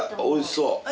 おいしそう！